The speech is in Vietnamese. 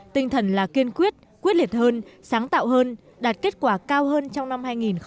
tinh thần là kiên quyết quyết liệt hơn sáng tạo hơn đạt kết quả cao hơn trong năm hai nghìn một mươi chín